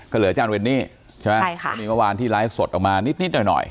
ก็เหลือจานเวนนี่ใช่ไหมครับมีเมื่อวานที่ไลฟ์สดออกมานิดหน่อย